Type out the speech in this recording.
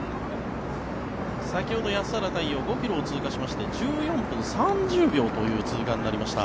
先ほど安原太陽５ｋｍを通過しまして１４分３０秒という通過になりました。